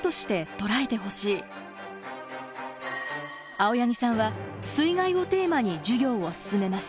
青柳さんは「水害」をテーマに授業を進めます。